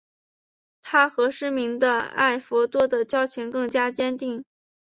他和失明的艾费多的交情更加坚定。